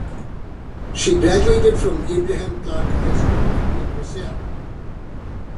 She graduated from Abraham Clark High School in Roselle.